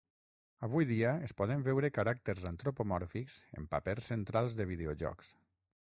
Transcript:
Avui dia, es poden veure caràcters antropomòrfics en papers centrals de videojocs.